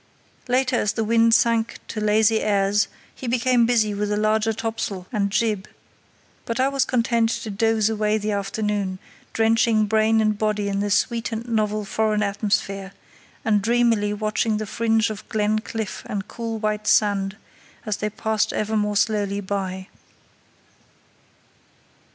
Later, as the wind sank to lazy airs, he became busy with a larger topsail and jib; but I was content to doze away the afternoon, drenching brain and body in the sweet and novel foreign atmosphere, and dreamily watching the fringe of glen cliff and cool white sand as they passed ever more slowly by.